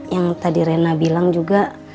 yang tadi rena bilang juga